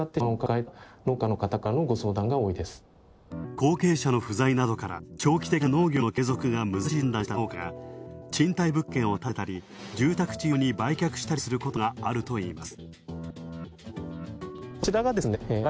後継者の不在などから、長期的な農業の継続が難しいと判断した農家が賃貸物件をたてたり住宅地用に売却したりすることがあるといいます。